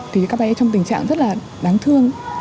thì các bé trong tình trạng rất là đáng thương